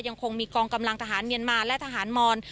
ยังคงมีกองกำลังทหารเมียนมาและทหารมอน